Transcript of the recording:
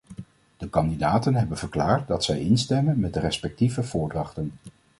De kandidaten hebben verklaard dat zij instemmen met de respectieve voordrachten.